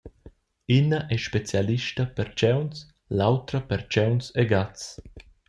Ina ei specialista per tgauns, l'autra per tgauns e gats.